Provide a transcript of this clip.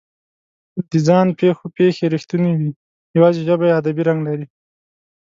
د ځان پېښو پېښې رښتونې وي، یواځې ژبه یې ادبي رنګ لري.